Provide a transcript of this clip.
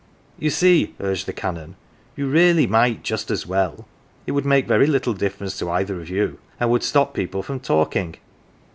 "You see," urged the Canon, "you really might just .as well. It would make very little difference to either of you, and would stop people from talking.